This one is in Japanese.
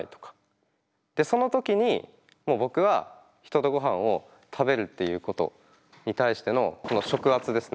その時にもう僕は人とごはんを食べるっていうことに対してのこの食圧ですね